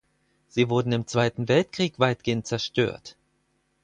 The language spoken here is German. Sie wurden im Zweiten Weltkrieg weitgehend zerstört.